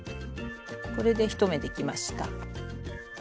これで１目できました。